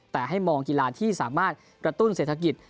แต่ให้มองกีฬาที่สามารถกระตุ้นเศรษฐกิจ